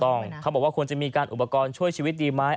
เขาบอกว่าควรจะมีการอุปกรณ์ช่วยชีวิตดีไหม